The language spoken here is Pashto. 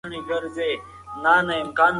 ډاکټر وویل چې الکول زیان لري.